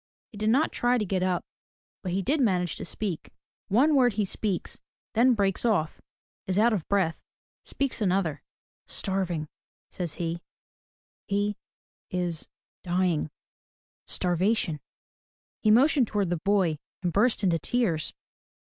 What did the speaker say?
He did not try to get up, but he did manage to speak. One word he speaks — then breaks off, — is out of breath, — speaks another: — "Starving, —" says he, "he — is — dying — starvation." He motioned toward the boy and burst into tears.